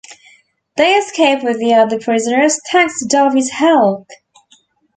They escape with the other prisoners thanks to Dobby's help.